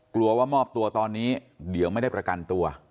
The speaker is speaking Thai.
กลัวว่ามอบตัวตอนนี้เดี๋ยวไม่ได้ประกันตัว